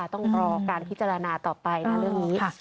ต้องรอการพิจารณาต่อไปนะเรื่องนี้